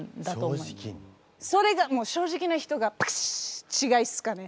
それがもう正直な人がパシッちがいっすかね。